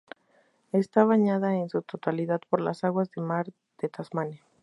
Está bañada en su totalidad por las aguas del Mar de Tasmania.